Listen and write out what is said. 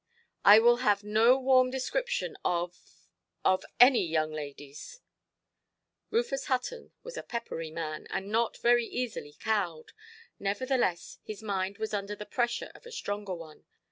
I will have no warm description of—of any young ladies". Rufus Hutton was a peppery man, and not very easily cowed. Nevertheless, his mind was under the pressure of a stronger one.